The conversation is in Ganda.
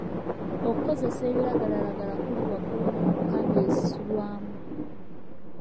Okukozesa ebiragalalagala kuli waggulu nnyo mu nkambi ezisulwamu.